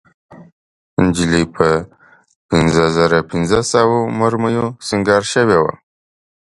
نجلۍ په پينځهزرهپینځهسوو مریو سینګار شوې وه.